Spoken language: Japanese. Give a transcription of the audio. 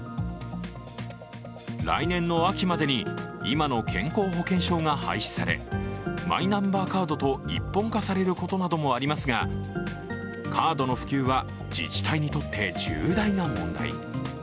来年の秋までに今の健康保険証が廃止されマイナンバーカードと一本化されることなどもありますがカードの普及は自治体にとって重大な問題。